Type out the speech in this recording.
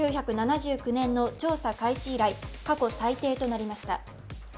１９７９年の調査開始以来、過去最低となりました。